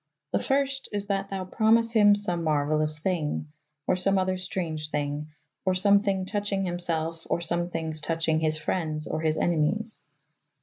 The fyrst is that thou pramyse hym some meruelous thynge, or some other strange thyng, or some thyng touchyng hym self or some thyng^^ touchyng his fryndes or his enemyes.